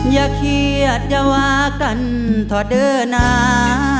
อย่าเคียดเยาวะกันเท่าเดินา